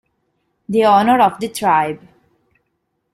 The Honor of the Tribe